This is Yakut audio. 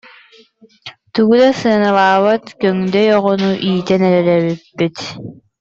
Тугу да сыаналаабат көҥдөй оҕону иитэн эрэр эбиппит